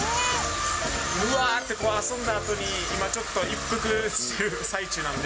うわーって、こう、遊んだあとに、今ちょっと一服してる最中なんで。